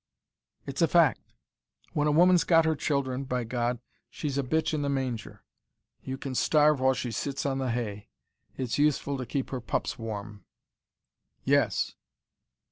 "It's a fact. When a woman's got her children, by God, she's a bitch in the manger. You can starve while she sits on the hay. It's useful to keep her pups warm." "Yes."